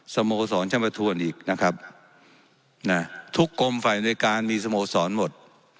สโมสรจะมาทวนอีกนะครับนะทุกกรมฝ่ายในการมีสโมสรหมด